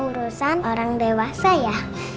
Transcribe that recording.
urusan orang dewasa ya